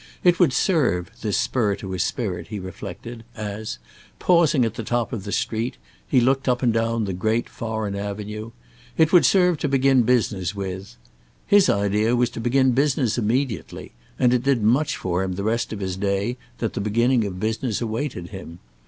It would serve, this spur to his spirit, he reflected, as, pausing at the top of the street, he looked up and down the great foreign avenue, it would serve to begin business with. His idea was to begin business immediately, and it did much for him the rest of his day that the beginning of business awaited him.